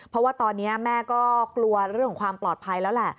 เพราะว่าตอนนี้แม่ก็กลัวเรื่องของความปลอดภัยแล้วแหละ